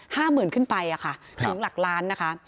ห้าหมื่นขึ้นไปอ่ะค่ะถึงหลักล้านนะคะ